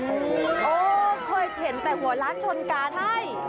โอ้โหเคยเห็นแต่หัวล้านชนกาให้